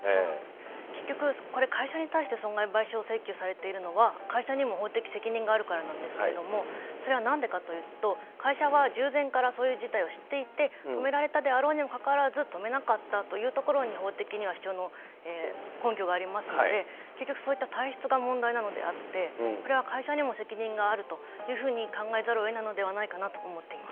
結局、これ、会社に対して損害賠償請求されているのは、会社にも法的責任があるからなんですけれども、それはなんでかというと、会社は従前からそういう事態を知っていて、止められたでもあろうにもかかわらず、止めなかったというところに法的には根拠がありますから、結局そういった体質が問題なのであって、これは会社にも責任があるというふうに考えざるをえないのではな